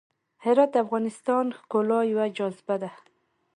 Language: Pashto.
هرات د افغانستان د ښکلا یوه جاذبه ده.